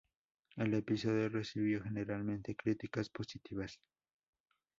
El episodio recibió generalmente críticas positivas.